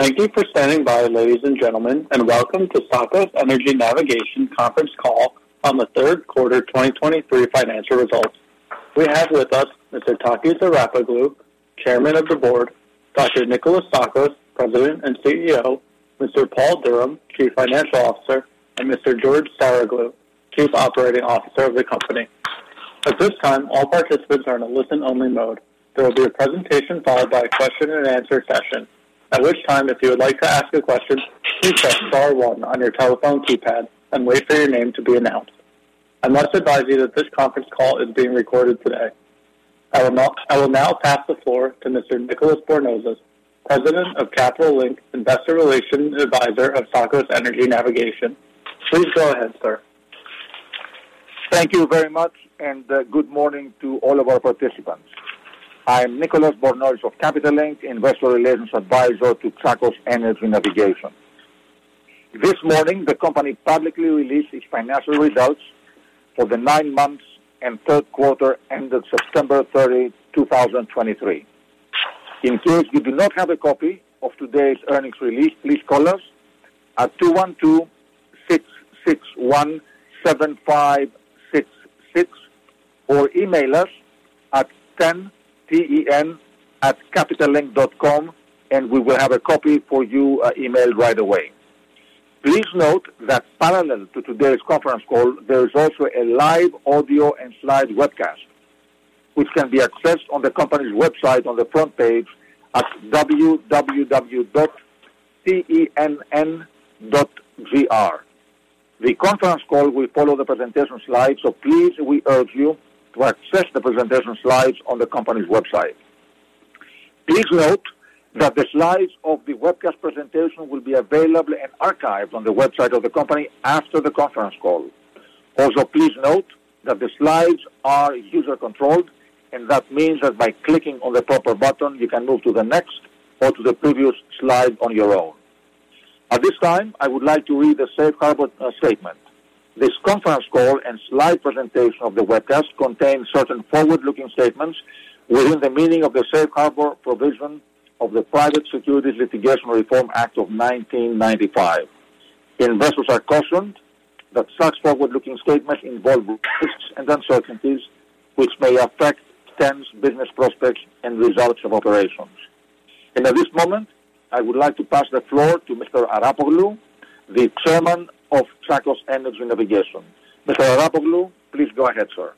Thank you for standing by, ladies and gentlemen, and welcome to Tsakos Energy Navigation conference call on the third quarter 2023 financial results. We have with us Mr. Takis Arapoglou, Chairman of the Board, Dr. Nikolas Tsakos, President and CEO, Mr. Paul Durham, Chief Financial Officer, and Mr. George Saroglou, Chief Operating Officer of the company. At this time, all participants are in a listen-only mode. There will be a presentation followed by a question and answer session, at which time, if you would like to ask a question, please press star one on your telephone keypad and wait for your name to be announced. I must advise you that this conference call is being recorded today. I will now, I will now pass the floor to Mr. Nicolas Bornozis, President of Capital Link, Investor Relations Advisor of Tsakos Energy Navigation. Please go ahead, sir. Thank you very much, and good morning to all of our participants. I am Nicolas Bornozis of Capital Link, Investor Relations Advisor to Tsakos Energy Navigation. This morning, the company publicly released its financial results for the nine months and third quarter ended September 30, 2023. In case you do not have a copy of today's earnings release, please call us at 212-661-7566 or email us at ten@capitallink.com, and we will have a copy for you, emailed right away. Please note that parallel to today's conference call, there is also a live audio and slide webcast, which can be accessed on the company's website on the front page at www.tenn.gr. The conference call will follow the presentation slides, so please, we urge you to access the presentation slides on the company's website. Please note that the slides of the webcast presentation will be available and archived on the website of the company after the conference call. Also, please note that the slides are user-controlled, and that means that by clicking on the proper button, you can move to the next or to the previous slide on your own. At this time, I would like to read the safe harbor statement. This conference call and slide presentation of the webcast contains certain forward-looking statements within the meaning of the Safe Harbor Provision of the Private Securities Litigation Reform Act of 1995. Investors are cautioned that such forward-looking statements involve risks and uncertainties, which may affect TEN's business prospects and results of operations. And at this moment, I would like to pass the floor to Mr. Arapoglou, the Chairman of Tsakos Energy Navigation. Mr. Arapoglou, please go ahead, sir.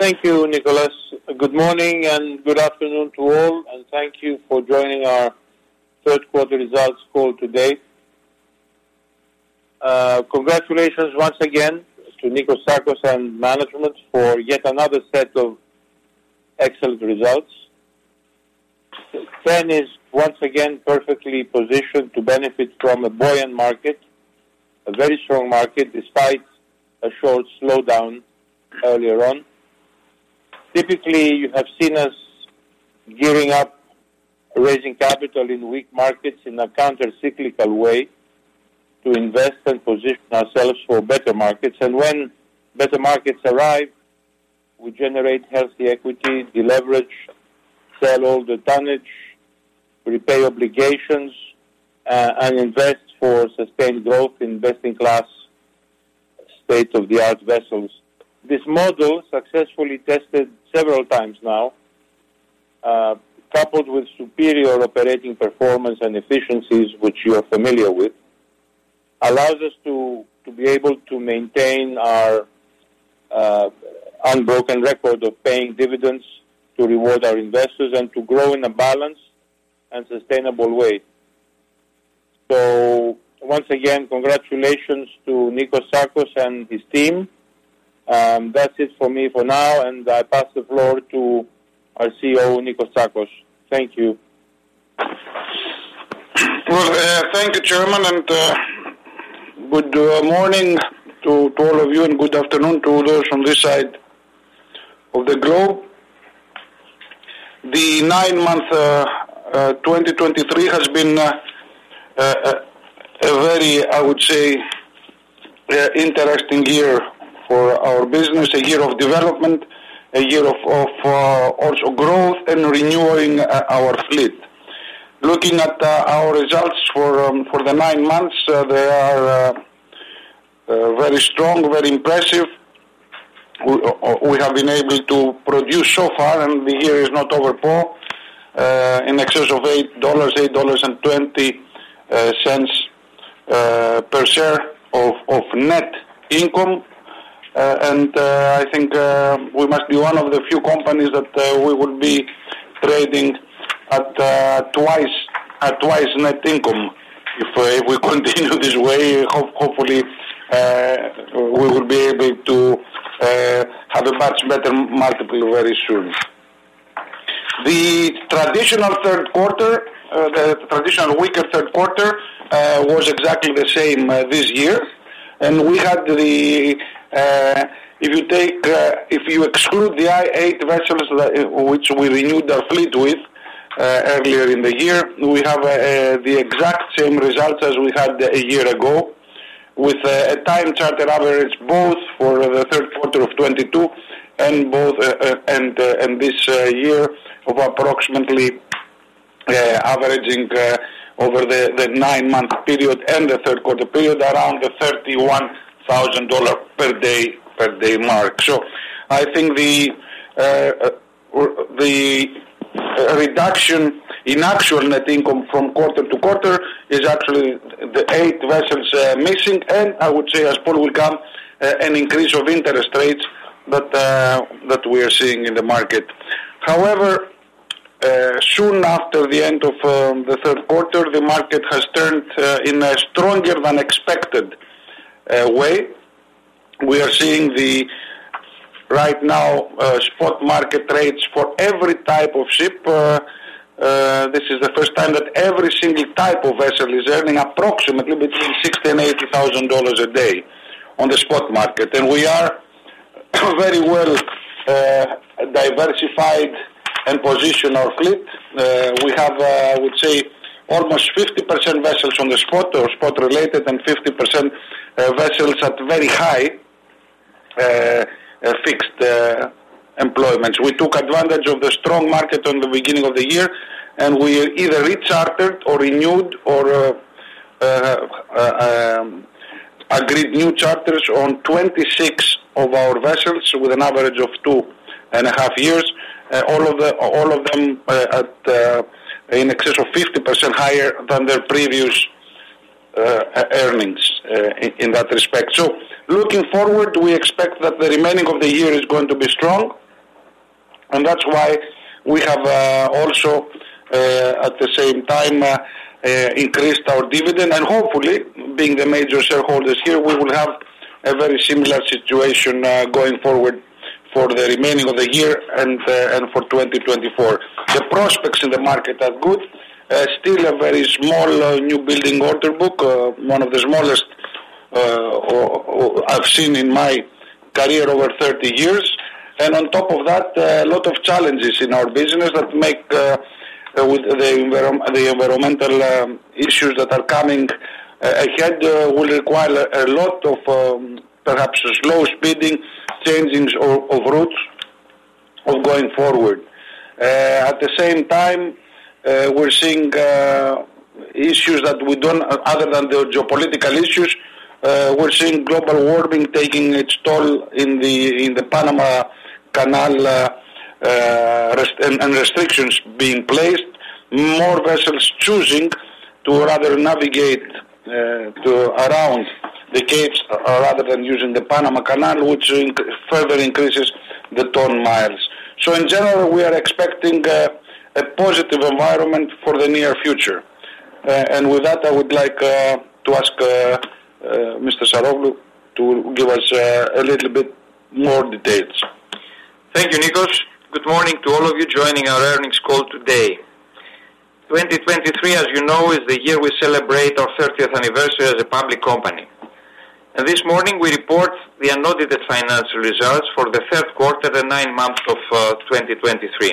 Thank you, Nicolas. Good morning and good afternoon to all, and thank you for joining our third quarter results call today. Congratulations once again to Nikolas Tsakos and management for yet another set of excellent results. TEN is once again perfectly positioned to benefit from a buoyant market, a very strong market, despite a short slowdown earlier on. Typically, you have seen us gearing up, raising capital in weak markets in a countercyclical way to invest and position ourselves for better markets. When better markets arrive, we generate healthy equity, deleverage, sell all the tonnage, repay obligations, and invest for sustained growth in best-in-class state-of-the-art vessels. This model, successfully tested several times now, coupled with superior operating performance and efficiencies which you are familiar with, allows us to be able to maintain our unbroken record of paying dividends to reward our investors and to grow in a balanced and sustainable way. So once again, congratulations to Nikolas Tsakos and his team. That's it for me for now, and I pass the floor to our CEO, Nikolas Tsakos. Thank you. Well, thank you, Chairman, and good morning to all of you and good afternoon to those on this side of the globe. The nine-month 2023 has been a very, I would say, interesting year for our business, a year of development, a year of also growth and renewing our fleet. Looking at our results for the nine months, they are very strong, very impressive. We have been able to produce so far, and the year is not over, Paul, in excess of $8, $8.20 per share of net income. And I think we must be one of the few companies that we would be trading at twice, at twice net income. If we continue this way, hopefully, we will be able to have a much better multiple very soon. The traditional third quarter, the traditional weaker third quarter, was exactly the same this year. We had the, if you take, if you exclude the eight vessels that which we renewed our fleet with earlier in the year, we have the exact same results as we had a year ago with a time charter average both for the third quarter of 2022 and both and this year of approximately, averaging over the nine-month period and the third quarter period around the $31,000 per day per day mark. So I think the reduction in actual, I think, from quarter to quarter is actually the eight vessels missing, and I would say as well come an increase of interest rates that we are seeing in the market. However, soon after the end of the third quarter, the market has turned in a stronger than expected way. We are seeing right now spot market rates for every type of ship. This is the first time that every single type of vessel is earning approximately between $60,000 and $80,000 a day on the spot market. And we are very well diversified and position our fleet. We have, I would say, almost 50% vessels on the spot or spot-related, and 50% vessels at very high fixed employments. We took advantage of the strong market on the beginning of the year, and we either rechartered or renewed or agreed new charters on 26 of our vessels with an average of 2.5 years, all of them at in excess of 50% higher than their previous earnings in that respect. So looking forward, we expect that the remaining of the year is going to be strong, and that's why we have also, at the same time, increased our dividend. Hopefully, being the major shareholders here, we will have a very similar situation, going forward for the remaining of the year and, and for 2024. The prospects in the market are good. Still a very small, newbuilding order book, one of the smallest, I've seen in my career over 30 years. And on top of that, a lot of challenges in our business that make with the environmental issues that are coming ahead will require a lot of perhaps slow speeding, changings of routes going forward. At the same time, we're seeing issues that we don't other than the geopolitical issues. We're seeing global warming taking its toll in the Panama Canal, restrictions being placed, more vessels choosing to rather navigate to around the capes, rather than using the Panama Canal, which further increases the ton miles. So in general, we are expecting a positive environment for the near future. With that, I would like to ask Mr. Saroglou to give us a little bit more details. Thank you, Nikolas. Good morning to all of you joining our earnings call today. 2023, as you know, is the year we celebrate our 30th anniversary as a public company. This morning, we report the unaudited financial results for the third quarter, the nine months of 2023.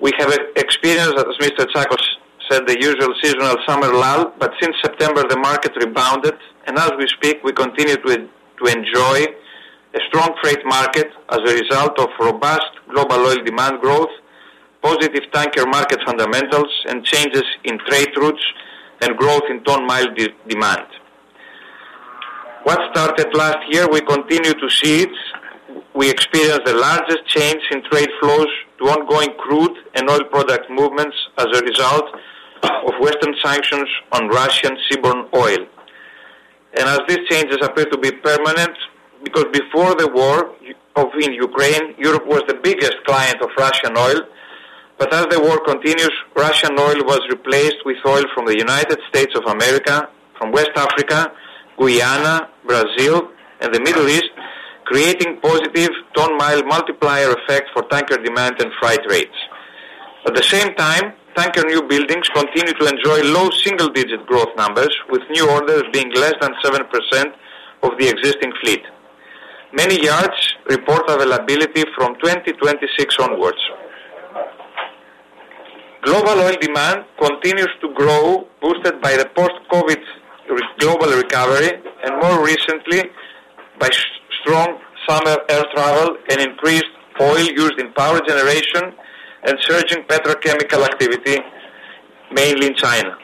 We have experienced, as Mr. Tsakos said, the usual seasonal summer lull, but since September, the market rebounded, and as we speak, we continue to enjoy a strong freight market as a result of robust global oil demand growth, positive tanker market fundamentals, and changes in trade routes and growth in ton-mile demand. What started last year, we continue to see it. We experienced the largest change in trade flows to ongoing crude and oil product movements as a result of Western sanctions on Russian seaborne oil. As these changes appear to be permanent, because before the war in Ukraine, Europe was the biggest client of Russian oil. But as the war continues, Russian oil was replaced with oil from the United States of America, from West Africa, Guyana, Brazil, and the Middle East, creating positive ton mile multiplier effect for tanker demand and freight rates. At the same time, tanker newbuildings continue to enjoy low single-digit growth numbers, with new orders being less than 7% of the existing fleet. Many yards report availability from 2026 onwards. Global oil demand continues to grow, boosted by the post-COVID global recovery and more recently, by strong summer air travel and increased oil used in power generation and surging petrochemical activity, mainly in China.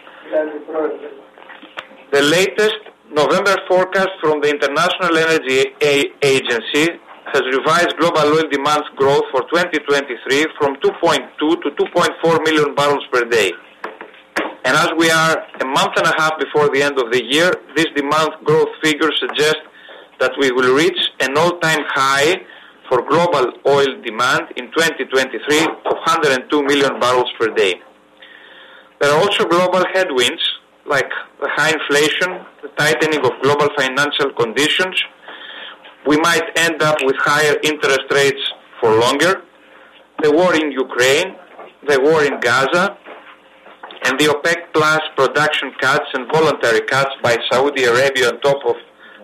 The latest November forecast from the International Energy Agency has revised global oil demand growth for 2023 from 2.2 million-2.4 million barrels per day. As we are a month and a half before the end of the year, this demand growth figure suggests that we will reach an all-time high for global oil demand in 2023 of 102 million barrels per day. There are also global headwinds, like the high inflation, the tightening of global financial conditions. We might end up with higher interest rates for longer, the war in Ukraine, the war in Gaza, and the OPEC+ production cuts and voluntary cuts by Saudi Arabia on top of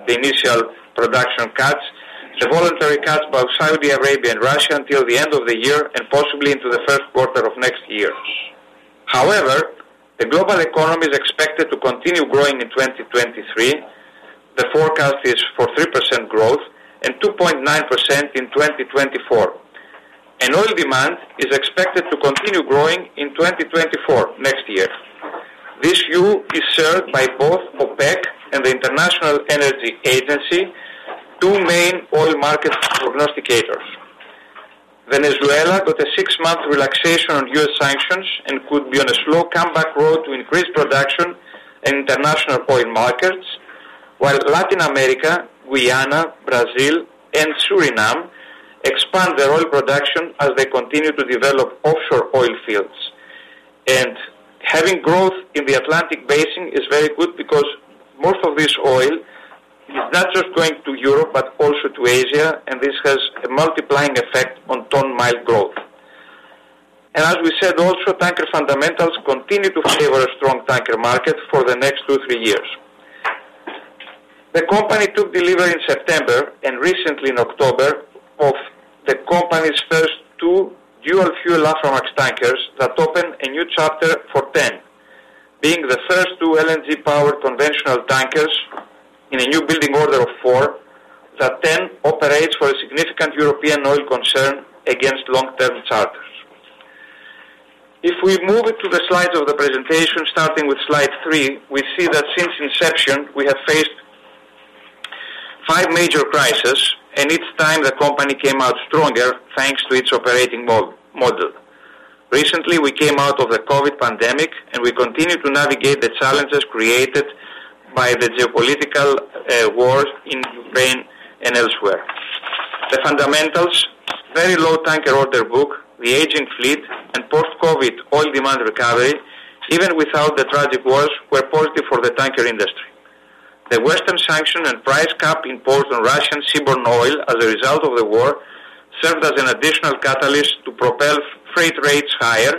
the initial production cuts, the voluntary cuts by Saudi Arabia and Russia until the end of the year and possibly into the first quarter of next year. However, the global economy is expected to continue growing in 2023. The forecast is for 3% growth and 2.9% in 2024. Oil demand is expected to continue growing in 2024, next year. This view is shared by both OPEC and the International Energy Agency, two main oil market prognosticators. Venezuela got a 6-month relaxation on U.S. sanctions and could be on a slow comeback road to increase production in international oil markets, while Latin America, Guyana, Brazil, and Suriname expand their oil production as they continue to develop offshore oil fields. Having growth in the Atlantic basin is very good because most of this oil is not just going to Europe, but also to Asia, and this has a multiplying effect on ton-mile growth. As we said, also, tanker fundamentals continue to favor a strong tanker market for the next two, three years. The company took delivery in September and recently in October of the company's first two dual-fuel Aframax tankers that open a new chapter for TEN, being the first two LNG powered conventional tankers in a newbuilding order of four, that TEN operates for a significant European oil concern against long-term charters. If we move it to the slides of the presentation, starting with slide three, we see that since inception, we have faced five major crises, and each time the company came out stronger, thanks to its operating model. Recently, we came out of the COVID pandemic, and we continue to navigate the challenges created by the geopolitical war in Ukraine and elsewhere. The fundamentals, very low tanker order book, the aging fleet and post-COVID oil demand recovery, even without the tragic wars, were positive for the tanker industry. The Western sanction and price cap imposed on Russian seaborne oil as a result of the war, served as an additional catalyst to propel freight rates higher,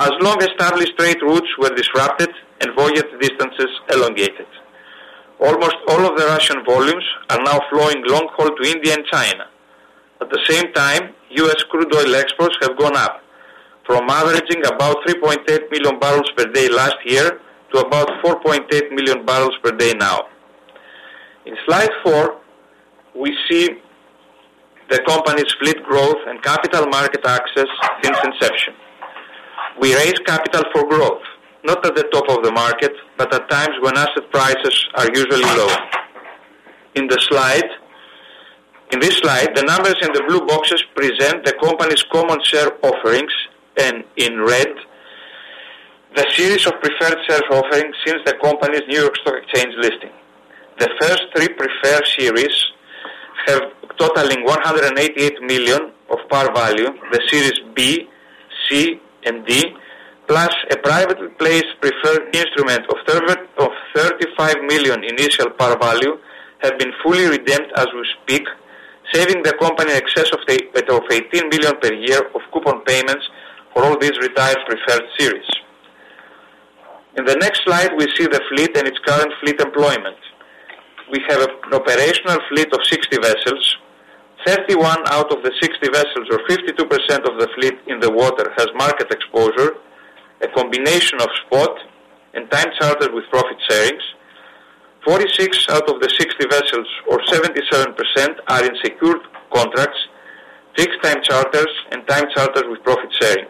as long-established trade routes were disrupted and voyage distances elongated. Almost all of the Russian volumes are now flowing long haul to India and China. At the same time, U.S. crude oil exports have gone up from averaging about 3.8 million barrels per day last year to about 4.8 million barrels per day now. In slide four, we see the company's fleet growth and capital market access since inception. We raise capital for growth, not at the top of the market, but at times when asset prices are usually low. In this slide, the numbers in the blue boxes present the company's common share offerings, and in red, the series of preferred share offerings since the company's New York Stock Exchange listing. The first three preferred series have totaling $188 million of par value, the series B, C, and D, plus a privately placed preferred instrument of $35 million initial par value, have been fully redeemed as we speak, saving the company excess of $18 million per year of coupon payments for all these retired preferred series. In the next slide, we see the fleet and its current fleet employment. We have an operational fleet of 60 vessels. 31 out of the 60 vessels, or 52% of the fleet in the water, has market exposure, a combination of spot and time charter with profit sharings. 46 out of the 60 vessels or 77% are in secured contracts, fixed-time charters and time charters with profit sharing.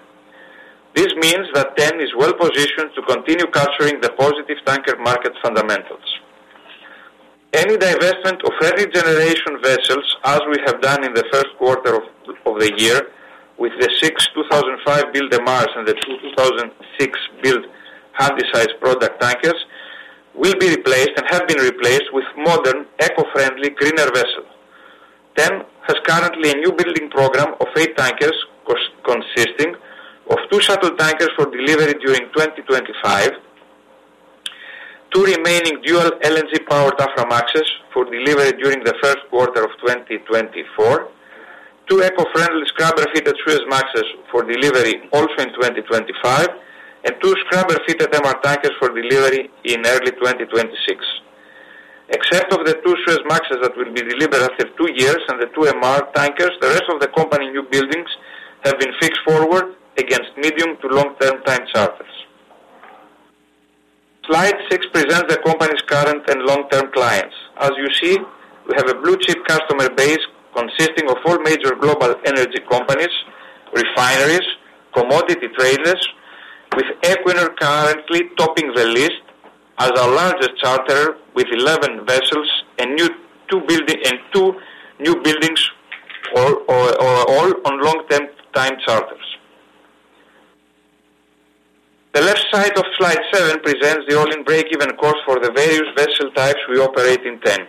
This means that TEN is well-positioned to continue capturing the positive tanker market fundamentals. Any divestment of early generation vessels, as we have done in the first quarter of the year, with the six 2005-built MRs and the two 2006-built Handysize product tankers, will be replaced and have been replaced with modern, eco-friendly, greener vessels. TEN has currently a newbuilding program of eight tankers consisting of two shuttle tankers for delivery during 2025, two remaining dual LNG powered Aframaxes for delivery during the first quarter of 2024, two eco-friendly scrubber-fitted Suezmaxes for delivery also in 2025, and two scrubber-fitted MR tankers for delivery in early 2026. Except for the two Suezmaxes that will be delivered after two years and the two MR tankers, the rest of the company newbuildings have been fixed forward against medium- to long-term time charters. Slide six presents the company's current and long-term clients. As you see, we have a blue-chip customer base consisting of four major global energy companies, refineries, commodity traders, with Equinor currently topping the list as our largest charterer with 11 vessels and two newbuildings all on long-term time charters. The left side of slide 7 presents the all-in break-even cost for the various vessel types we operate in TEN.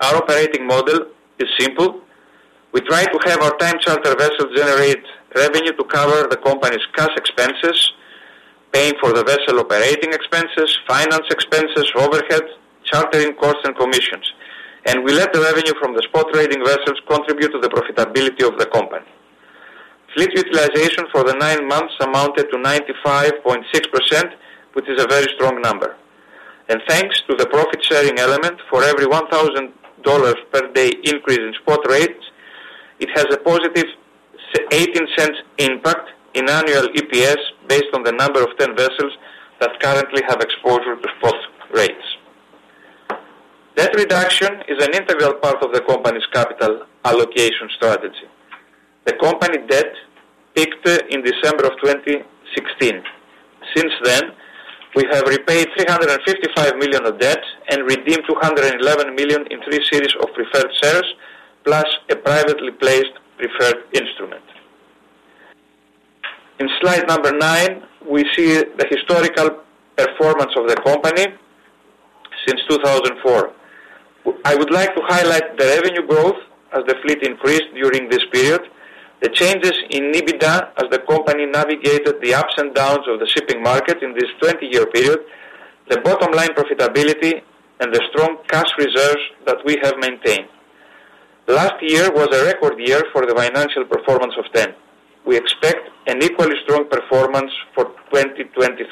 Our operating model is simple: we try to have our time charter vessels generate revenue to cover the company's cash expenses, paying for the vessel operating expenses, finance expenses, overhead, chartering costs and commissions. We let the revenue from the spot trading vessels contribute to the profitability of the company. Fleet utilization for the nine months amounted to 95.6%, which is a very strong number. Thanks to the profit-sharing element, for every $1,000 per day increase in spot rates, it has a positive $0.18 impact in annual EPS based on the number of 10 vessels that currently have exposure to spot rates. Debt reduction is an integral part of the company's capital allocation strategy. The company debt peaked in December of 2016. Since then, we have repaid $355 million of debt and redeemed $211 million in three series of preferred shares, plus a privately placed preferred instrument. In slide number nine, we see the historical performance of the company since 2004. I would like to highlight the revenue growth as the fleet increased during this period, the changes in EBITDA as the company navigated the ups and downs of the shipping market in this 20-year period, the bottom line profitability and the strong cash reserves that we have maintained. Last year was a record year for the financial performance of TEN. We expect an equally strong performance for 2023.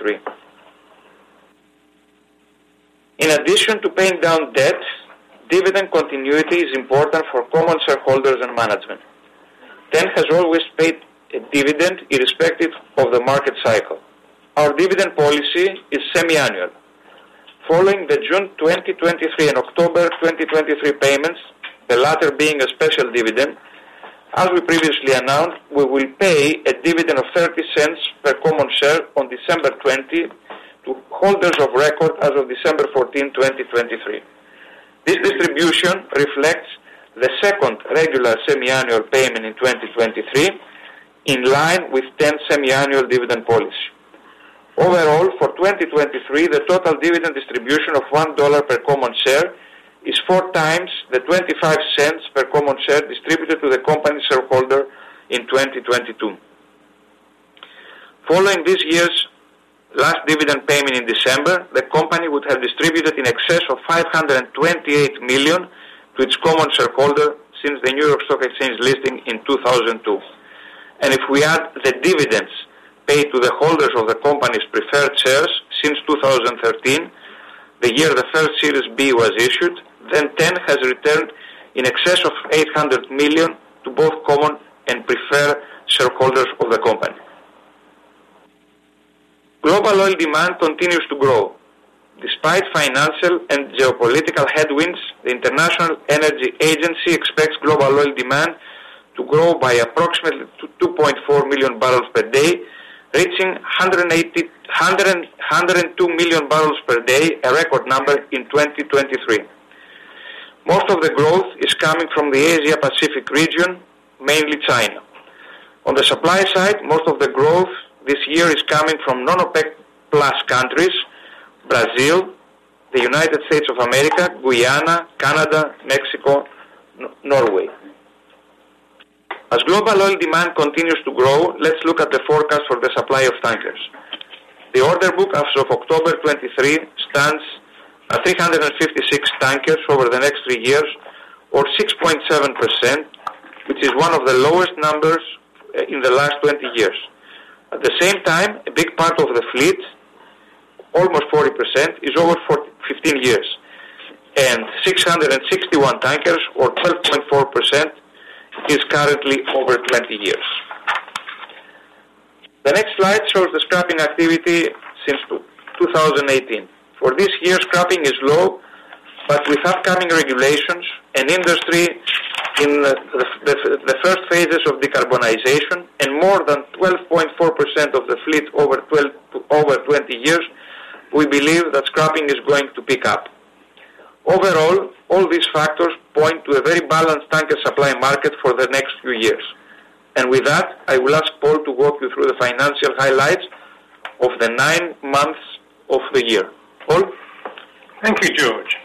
In addition to paying down debt, dividend continuity is important for common shareholders and management. TEN has always paid a dividend irrespective of the market cycle. Our dividend policy is semi-annual. Following the June 2023 and October 2023 payments, the latter being a special dividend, as we previously announced, we will pay a dividend of $0.30 per common share on December 20 to holders of record as of December 14, 2023. This distribution reflects the second regular semi-annual payment in 2023, in line with TEN semi-annual dividend policy. Overall, for 2023, the total dividend distribution of $1 per common share is 4 times the $0.25 per common share distributed to the company shareholder in 2022. Following this year's last dividend payment in December, the company would have distributed in excess of $528 million to its common shareholder since the New York Stock Exchange listing in 2002. And if we add the dividends paid to the holders of the company's preferred shares since 2013, the year the first Series B was issued, then TEN has returned in excess of $800 million to both common and preferred shareholders of the company. Global oil demand continues to grow. Despite financial and geopolitical headwinds, the International Energy Agency expects global oil demand to grow by approximately 2.4 million barrels per day, reaching 102 million barrels per day, a record number in 2023. Most of the growth is coming from the Asia Pacific region, mainly China. On the supply side, most of the growth this year is coming from non-OPEC+ countries, Brazil, the United States of America, Guyana, Canada, Mexico, Norway. As global oil demand continues to grow, let's look at the forecast for the supply of tankers. The order book as of October 2023 stands at 356 tankers over the next three years or 6.7%, which is one of the lowest numbers in the last 20 years. At the same time, a big part of the fleet, almost 40%, is over for 15 years, and 661 tankers, or 12.4%, is currently over 20 years. The next slide shows the scrapping activity since 2018. For this year, scrapping is low, but with upcoming regulations and industry in the first phases of decarbonization and more than 12.4% of the fleet over 12 to over 20 years, we believe that scrapping is going to pick up. Overall, all these factors point to a very balanced tanker supply market for the next few years. And with that, I will ask Paul to walk you through the financial highlights of the nine months of the year. Paul? Thank you, George.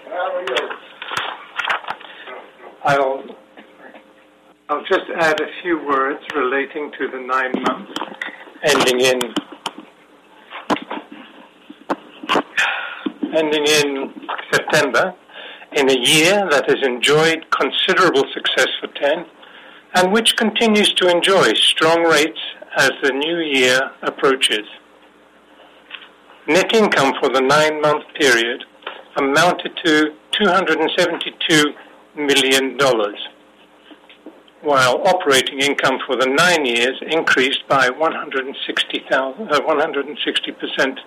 I'll just add a few words relating to the nine months ending in September, in a year that has enjoyed considerable success for TEN and which continues to enjoy strong rates as the new year approaches. Net income for the nine-month period amounted to $272 million, while operating income for the nine years increased by 160%.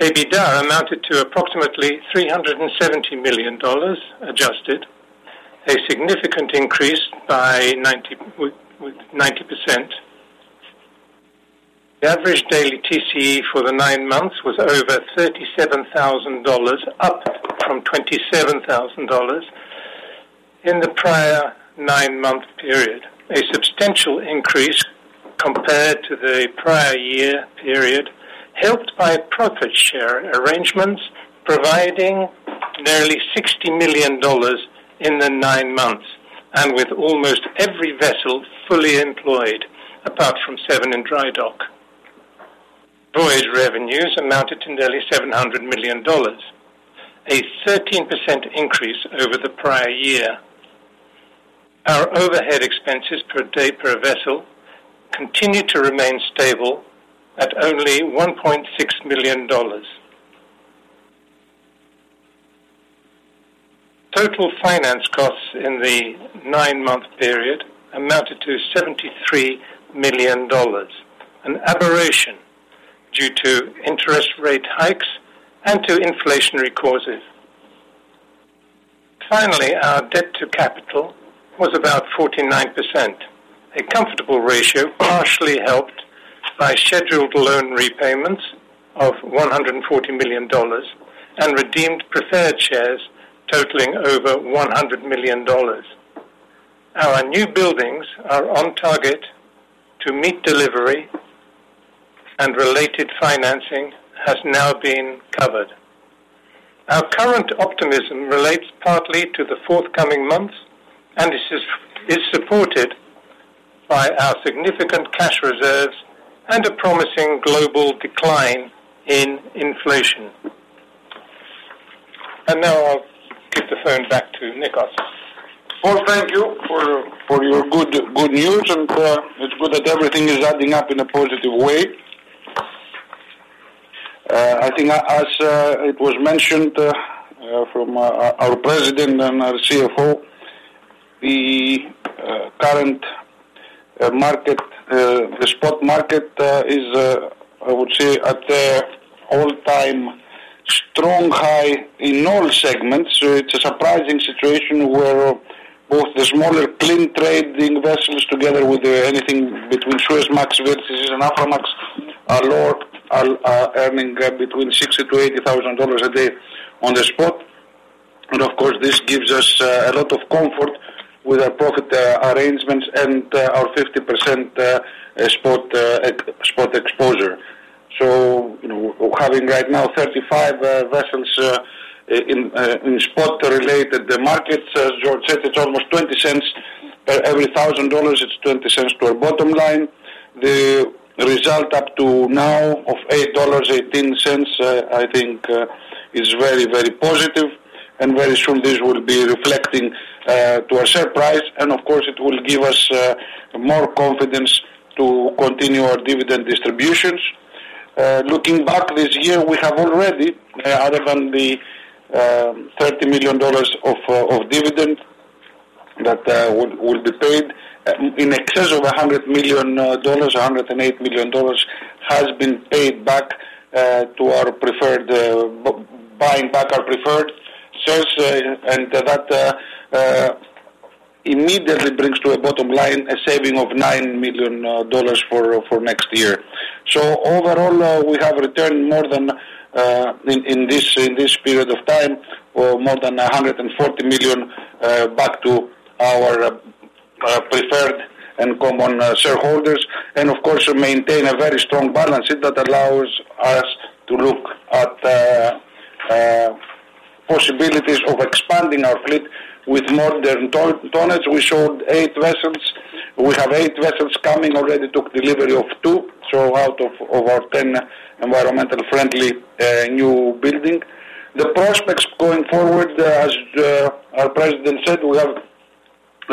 EBITDA amounted to approximately $370 million adjusted, a significant increase by 90%. The average daily TCE for the nine months was over $37,000, up from $27,000 in the prior nine-month period, a substantial increase compared to the prior year period, helped by profit share arrangements, providing nearly $60 million in the nine months, and with almost every vessel fully employed, apart from 7 in dry dock. Voyage revenues amounted to nearly $700 million, a 13% increase over the prior year. Our overhead expenses per day per vessel continue to remain stable at only $1.6 million. Total finance costs in the nine-month period amounted to $73 million, an aberration due to interest rate hikes and to inflationary causes. Finally, our debt to capital was about 49%, a comfortable ratio, partially helped by scheduled loan repayments of $140 million and redeemed preferred shares totaling over $100 million. Our newbuildings are on target to meet delivery and related financing has now been covered. Our current optimism relates partly to the forthcoming months, and this is supported by our significant cash reserves and a promising global decline in inflation. And now I'll give the phone back to Nikolas. Well, thank you for your good news, and it's good that everything is adding up in a positive way. I think as it was mentioned from our president and our CFO, the current market, the spot market, is, I would say, at an all-time strong high in all segments. So it's a surprising situation where both the smaller clean trading vessels, together with anything between Suezmax versus an Aframax, are earning between $60,000-$80,000 a day on the spot. And of course, this gives us a lot of comfort with our profit arrangements and our 50% spot exposure. So we're having right now 35 vessels in spot related markets. As George said, it's almost $0.20 every $1,000, it's $0.20 to our bottom line. The result up to now of $8.18, I think, is very, very positive and very soon this will be reflecting to our share price. Of course, it will give us more confidence to continue our dividend distributions. Looking back this year, we have already, other than the $30 million of dividend that will be paid in excess of $100 million, $108 million has been paid back to our preferred, buying back our preferred shares. That immediately brings to a bottom line a saving of $9 million for next year. So overall, we have returned more than $140 million back to our preferred and common shareholders. And of course, we maintain a very strong balance sheet that allows us to look at the possibilities of expanding our fleet with modern tonnage. We showed eight vessels. We have eight vessels coming; already took delivery of two. So out of our 10 environmentally friendly newbuildings. The prospects going forward, as our president said, we have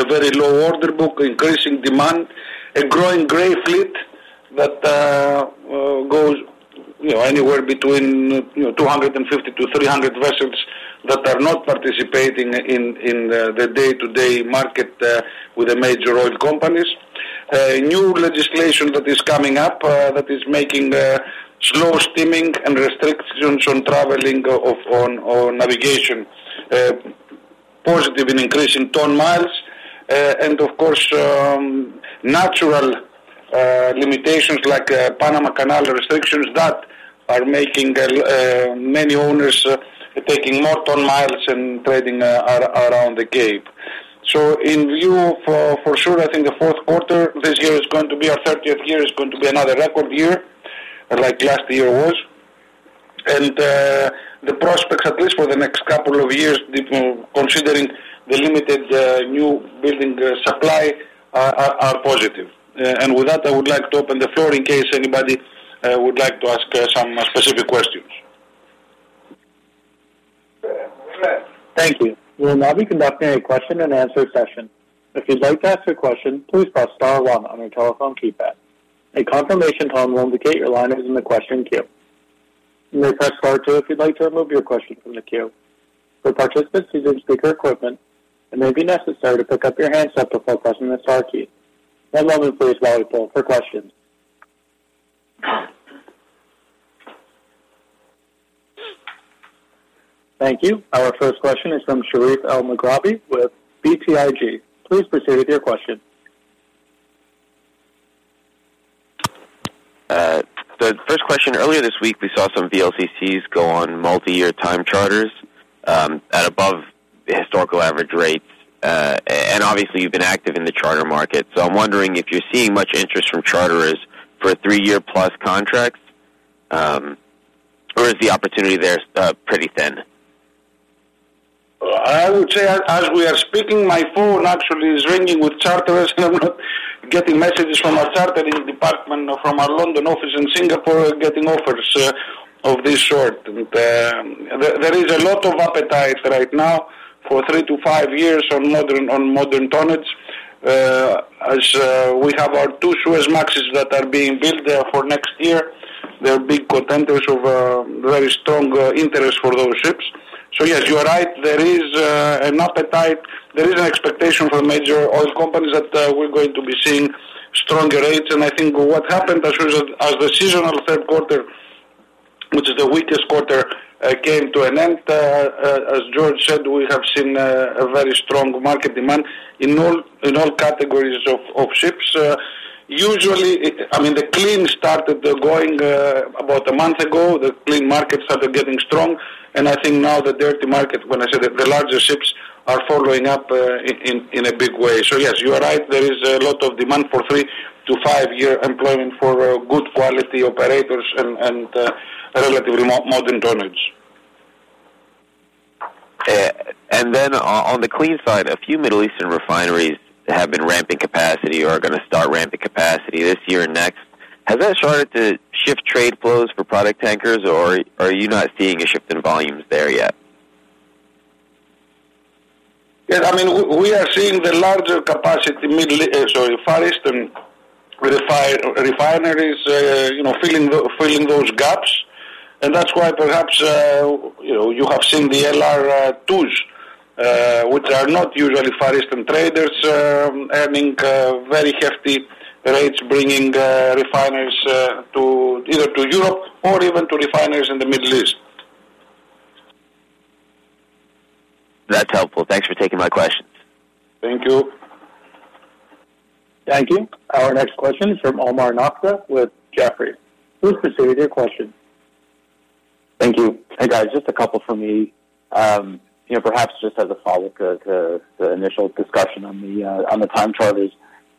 a very low order book, increasing demand, a growing gray fleet that goes, you know, anywhere between 250-300 vessels that are not participating in the day-to-day market with the major oil companies. New legislation that is coming up, that is making slow steaming and restrictions on traveling of navigation positive in increasing ton miles. And of course, natural limitations like Panama Canal restrictions that are making many owners taking more ton miles and trading around the Cape. So in view, for sure, I think the fourth quarter this year is going to be our 30th year, is going to be another record year like last year was. And the prospects, at least for the next couple of years, considering the limited newbuilding supply, are positive. And with that, I would like to open the floor in case anybody would like to ask some specific questions. Thank you. We will now be conducting a question and answer session. If you'd like to ask a question, please press star one on your telephone keypad. A confirmation tone will indicate your line is in the question queue. You may press star two if you'd like to remove your question from the queue. For participants using speaker equipment, it may be necessary to pick up your handset before pressing the star key. And one please wait for questions. Thank you. Our first question is from Sherif Elmaghrabi with BTIG. Please proceed with your question. The first question. Earlier this week, we saw some VLCCs go on multi-year time charters at above the historical average rates. And obviously you've been active in the charter market. So I'm wondering if you're seeing much interest from charterers for three-year plus contracts, or is the opportunity there pretty thin? I would say as we are speaking, my phone actually is ringing with charterers here, getting messages from our chartering department, from our London office in Singapore, getting offers of this sort. There is a lot of appetite right now for three to five years on modern tonnage. As we have our two Suezmaxes that are being built there for next year, they're big contenders of very strong interest for those ships. So yes, you are right, there is an appetite. There is an expectation for major oil companies that we're going to be seeing stronger rates. I think what happened as result, as the seasonal third quarter, which is the weakest quarter, came to an end, as George said, we have seen a very strong market demand in all categories of ships. Usually, I mean, the clean started going about a month ago. The clean market started getting strong, and I think now the dirty market, when I say the larger ships are following up in a big way. So yes, you are right, there is a lot of demand for three to five-year employment for good quality operators and relatively modern tonnage. On the clean side, a few Middle Eastern refineries have been ramping capacity or are going to start ramping capacity this year and next. Has that started to shift trade flows for product tankers, or are you not seeing a shift in volumes there yet? Yes, I mean, we are seeing the larger capacity, Middle East... Sorry, Far Eastern refineries, you know, filling those gaps. And that's why perhaps, you know, you have seen the LR2s, which are not usually Far Eastern traders, earning very hefty rates, bringing refineries to either to Europe or even to refineries in the Middle East. That's helpful. Thanks for taking my questions. Thank you. Thank you. Our next question is from Omar Nokta with Jefferies. Please proceed with your question. Thank you. Hey, guys, just a couple from me. You know, perhaps just as a follow-up to the initial discussion on the time charters,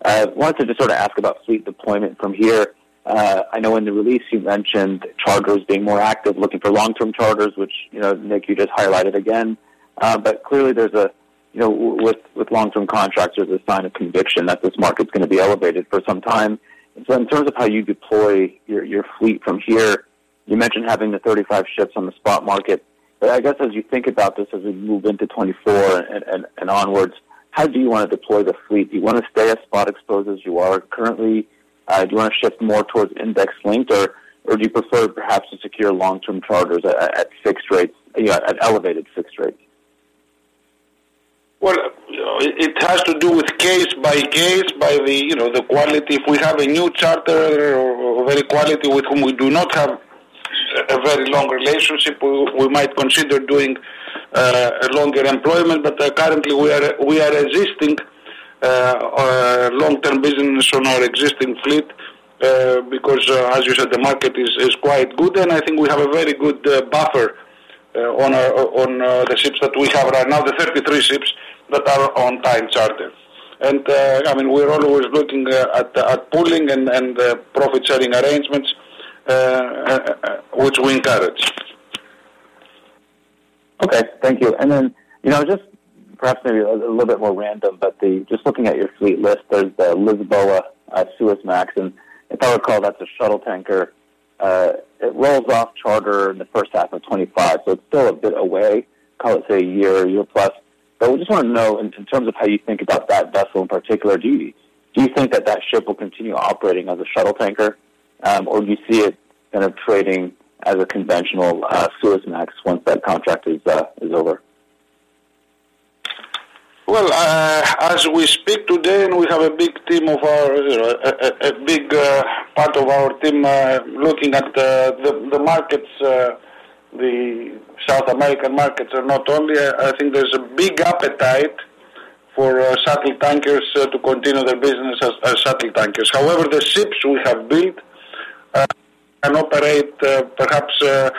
I wanted to just sort of ask about fleet deployment from here. I know in the release you mentioned charters being more active, looking for long-term charters, which, you know, Nick, you just highlighted again. But clearly there's a, you know, with long-term contracts, there's a sign of conviction that this market is going to be elevated for some time. So in terms of how you deploy your fleet from here, you mentioned having the 35 ships on the spot market. But I guess as you think about this, as we move into 2024 and onwards, how do you want to deploy the fleet? Do you want to stay as spot exposed as you are currently? Do you want to shift more towards index linked, or do you prefer perhaps to secure long-term charters at fixed rates, you know, at elevated fixed rates? Well, it has to do with case by case, by the, you know, the quality. If we have a new charter or very quality with whom we do not have a very long relationship, we might consider doing a longer employment. But currently we are resisting long-term business on our existing fleet because, as you said, the market is quite good, and I think we have a very good buffer on the ships that we have right now, the 33 ships that are on time charter. And I mean, we're always looking at pooling and profit sharing arrangements, which we encourage. Okay, thank you. And then, you know, just perhaps maybe a little bit more random, but just looking at your fleet list, there's the Lisboa Suezmax, and if I recall, that's a shuttle tanker. It rolls off charter in the first half of 2025, so it's still a bit away, call it, say, a year or a year plus. But we just want to know in terms of how you think about that vessel in particular duties, do you think that that ship will continue operating as a shuttle tanker, or do you see it kind of trading as a conventional Suezmax once that contract is over? Well, as we speak today, and we have a big team of our, you know, a big part of our team looking at the markets, the South American markets are not only, I think there's a big appetite for shuttle tankers to continue their business as shuttle tankers. However, the ships we have built can operate perhaps as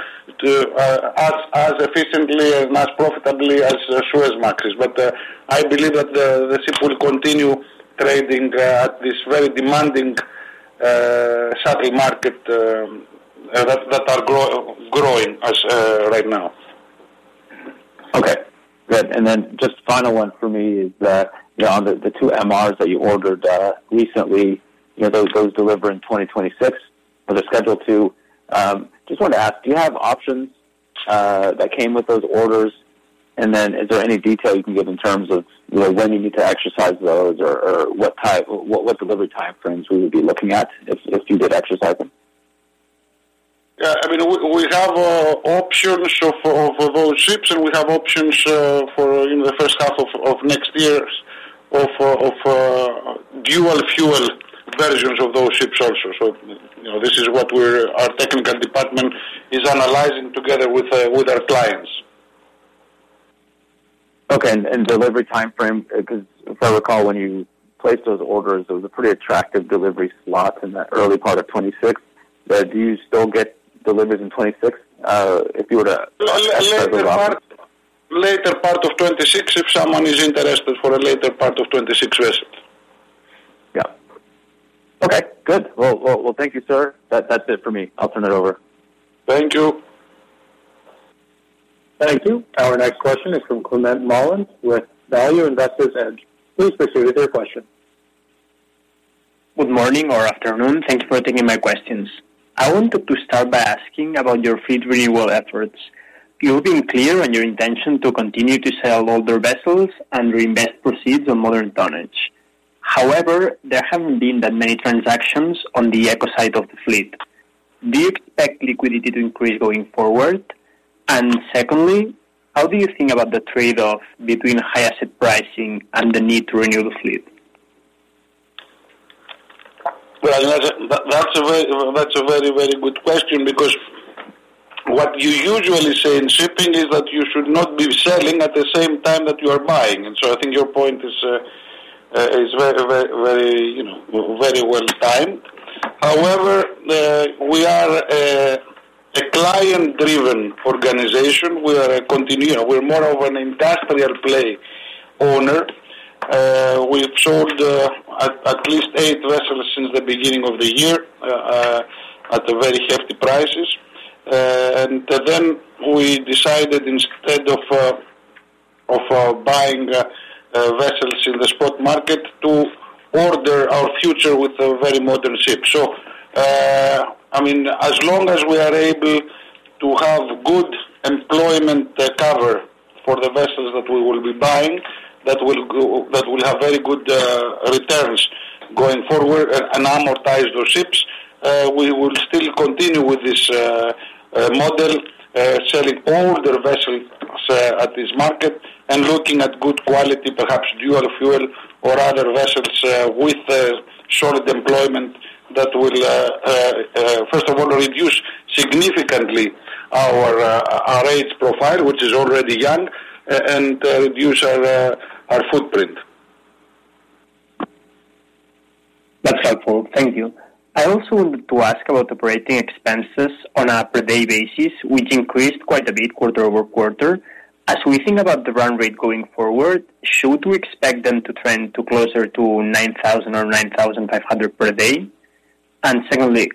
efficiently and as profitably as Suezmaxes. But I believe that the ship will continue trading at this very demanding shuttle market that are growing right now. Okay, good. And then just final one for me is that, you know, on the 2 MRs that you ordered recently, you know, those deliver in 2026, or they're scheduled to. Just wanted to ask, do you have options that came with those orders? And then is there any detail you can give in terms of, you know, when you need to exercise those or what type what delivery time frames we would be looking at if you did exercise them? Yeah, I mean, we have options for those ships, and we have options for in the first half of next year of dual-fuel versions of those ships also. So, you know, this is what our technical department is analyzing together with our clients. Okay, and delivery time frame, because if I recall, when you placed those orders, there was a pretty attractive delivery slot in the early part of 2026. But do you still get delivered in 2026, if you were to- Later part, later part of 2026, if someone is interested for a later part of 2026, yes. Yeah. Okay, good. Well, well, well, thank you, sir. That, that's it for me. I'll turn it over. Thank you. Thank you. Our next question is from Climent Molins with Value Investor's Edge. Please proceed with your question. Good morning or afternoon. Thank you for taking my questions. I wanted to start by asking about your fleet renewal efforts. You've been clear on your intention to continue to sell older vessels and reinvest proceeds on modern tonnage. However, there haven't been that many transactions on the eco side of the fleet. Do you expect liquidity to increase going forward? And secondly, how do you think about the trade-off between higher asset pricing and the need to renew the fleet? Well, that's a very, very good question, because what you usually say in shipping is that you should not be selling at the same time that you are buying. And so I think your point is very, very, very, you know, very well timed. However, we are a client-driven organization. We're more of an industrial play owner. We've sold at least eight vessels since the beginning of the year at very hefty prices. And then we decided instead of buying vessels in the spot market to order our future with a very modern ship. So, I mean, as long as we are able to have good employment, cover for the vessels that we will be buying, that will have very good returns going forward and amortize those ships, we will still continue with this model, selling older vessels at this market and looking at good quality, perhaps dual-fuel or other vessels, with short employment that will first of all reduce significantly our age profile, which is already young, and reduce our footprint. That's helpful. Thank you. I also wanted to ask about operating expenses on a per day basis, which increased quite a bit quarter-over-quarter. As we think about the run rate going forward, should we expect them to trend to closer to $9,000 or $9,500 per day? And secondly,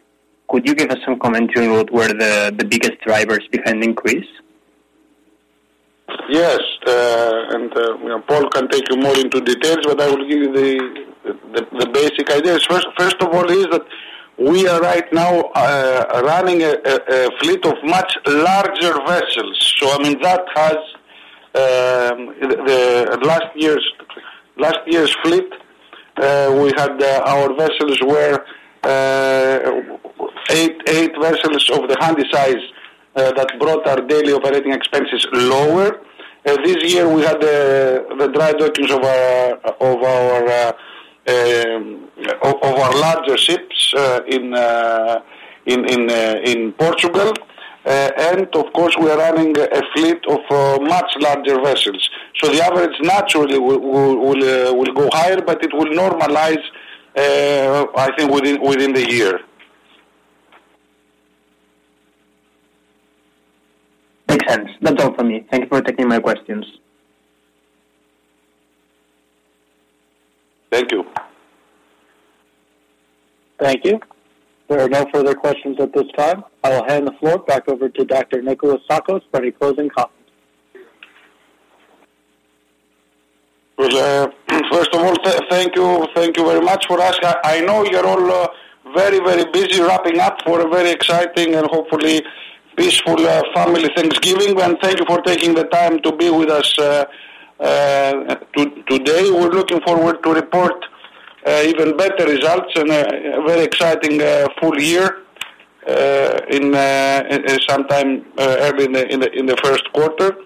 could you give us some commentary about where the biggest drivers behind the increase? Yes, and Paul can take you more into details, but I will give you the basic ideas. First of all, is that we are right now running a fleet of much larger vessels. So I mean, that has the last year's fleet, we had our vessels were eight vessels of the Handysize, that brought our daily operating expenses lower. This year we had the dry dockings of our larger ships in Portugal. And of course, we are running a fleet of much larger vessels. So the average naturally will go higher, but it will normalize, I think within the year. Makes sense. That's all for me. Thank you for taking my questions. Thank you. Thank you. There are no further questions at this time. I will hand the floor back over to Dr. Nikolas P. Tsakos for any closing comments. Well, first of all, thank you, thank you very much for asking. I know you're all very, very busy wrapping up for a very exciting and hopefully peaceful family Thanksgiving. And thank you for taking the time to be with us today. We're looking forward to report even better results and a very exciting full year in sometime early in the first quarter.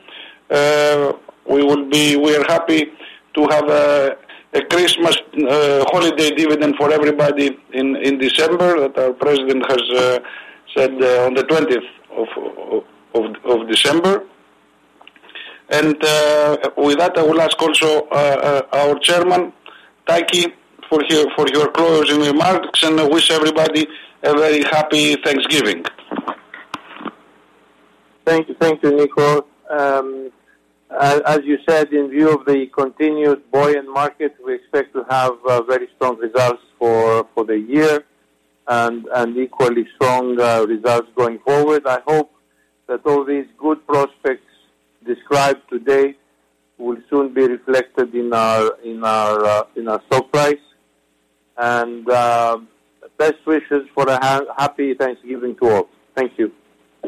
We are happy to have a Christmas holiday dividend for everybody in December, that our president has said on the 20th of December. And with that, I will ask also our chairman, thankyou, for your closing remarks, and I wish everybody a very happy Thanksgiving. Thank you. Thank you, Nicolas. As you said, in view of the continued buoyant market, we expect to have very strong results for the year and equally strong results going forward. I hope that all these good prospects described today will soon be reflected in our stock price. Best wishes for a happy Thanksgiving to all. Thank you.